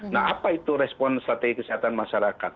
nah apa itu respon strategi kesehatan masyarakat